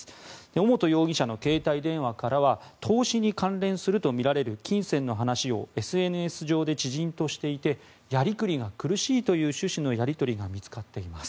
尾本容疑者の携帯電話からは投資に関連するとみられる金銭の話をＳＮＳ上で知人としていてやりくりが苦しいという趣旨のやり取りが見つかっています。